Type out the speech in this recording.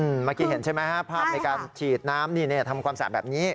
เมื่อกี้เห็นใช่ไหมฮะภาพในการฉีดน้ำนี่ทำความสะอาดแบบนี้